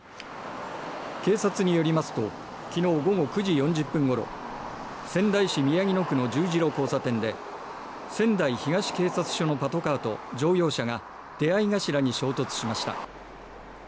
警察によりますと昨日午後９時４０分ごろ仙台市宮城野区の十字路交差点で仙台東警察署のパトカーと乗用車が出合い頭に衝突しました。